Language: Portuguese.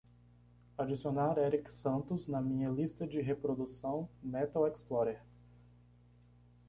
adicionar erik santos na minha lista de reprodução Metal Xplorer